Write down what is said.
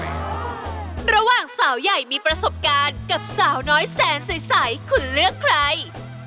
ระหว่างสาวใหญ่มีประสบการณ์กับสาวน้อยแสนใสคุณเลือกใคร